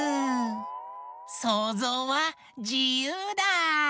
そうぞうはじゆうだ！